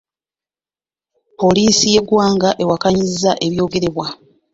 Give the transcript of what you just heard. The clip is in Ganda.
Poliisi y’eggwanga ewakanyizza ebyogerebwa.